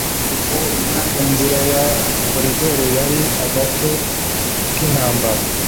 inzira ya koridoro yari agace k'intambara